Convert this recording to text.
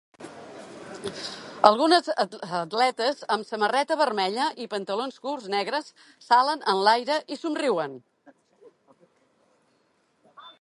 Algunes atletes amb samarreta vermella i pantalons curts negres salen en l'aire i somriuen.